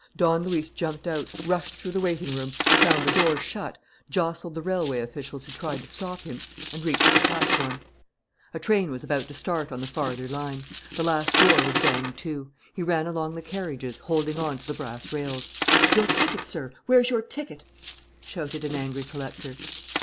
Don Luis jumped out, rushed through the waiting room, found the doors shut, jostled the railway officials who tried to stop him, and reached the platform. A train was about to start on the farther line. The last door was banged to. He ran along the carriages, holding on to the brass rails. "Your ticket, sir! Where's your ticket?" shouted an angry collector.